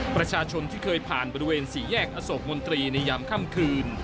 ประชาชนที่เคยผ่านบริเวณสี่แยกอโศกมนตรีในยามค่ำคืน